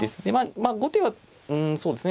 まあ後手はうんそうですね